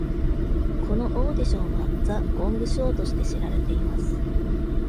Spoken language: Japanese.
このオーディションは「ザ・ゴング・ショー」として知られています。